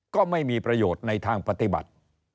ก็ไม่มีประโยชน์ในทางปฏิบัติ